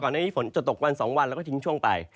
ก่อนหน้านี้ฝนจะตกวันสองวันแล้วก็ทิ้งช่วงไป